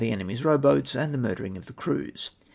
enemy's row boats, and tlie nuirdering of the crews.